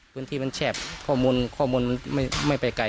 พื้นที่มันแคบข้อมูลไม่ไปไกล